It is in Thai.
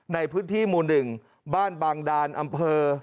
ในพื้นที่หมู่๑บ้านบางดานอำเภอ